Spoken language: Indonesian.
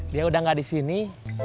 dia udah gak di sini